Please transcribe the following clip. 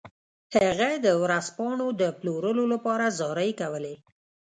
هغه د ورځپاڼو د پلورلو لپاره زارۍ کولې.